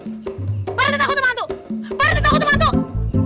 pak rt takut sama hantu